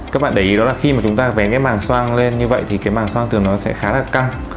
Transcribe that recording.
các bạn để ý đó là khi mà chúng ta vén cái màng xoang lên như vậy thì cái màng xoang thường nó sẽ khá là căng